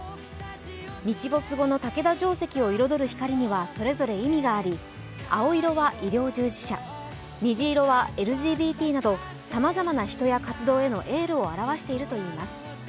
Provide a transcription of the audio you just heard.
日没後の竹田城跡を彩る光にはそれぞれ意味があり、青色は医療従事者、虹色はＬＧＢＴなどさまざまな人や活動へのエールを表しているといいます。